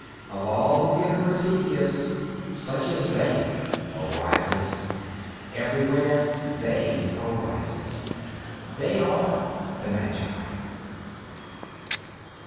Of all who give and receive gifts, such as they are wisest. Everywhere they are wisest. They are the magi.